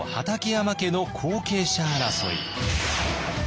山家の後継者争い。